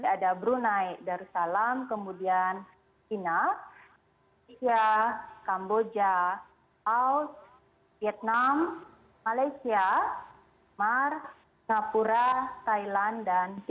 ada brunei darussalam kemudian china indonesia kamboja aus vietnam malaysia mar papua thailand dan indonesia